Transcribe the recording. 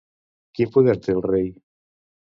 Quin poder té el rei?